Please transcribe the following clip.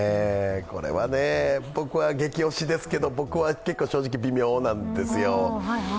これはね、ゲキ推しですけど僕は正直微妙なんですよ。